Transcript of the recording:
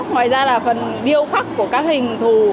ngoài ra là phần điêu khắc của các hình thù